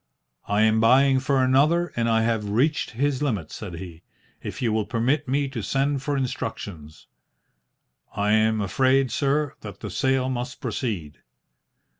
"I am buying for another, and I have reached his limit," said he. "If you will permit me to send for instructions " "I am afraid, sir, that the sale must proceed."